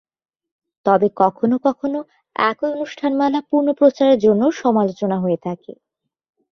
তবে, কখনও কখনও একই অনুষ্ঠানমালা পুণ:প্রচারের জন্য সমালোচনা হয়ে থাকে।